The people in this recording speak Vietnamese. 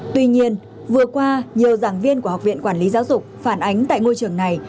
tuy nhiên vừa qua nhiều giảng viên của học viện quản lý giáo dục phản ánh tại ngôi trường này